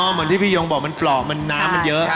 เหมือนที่พี่ยงบอกมันปลอกมันน้ำมันเยอะ